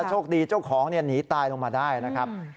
โชคดีเจ้าของหนีตายลงมาได้นะครับ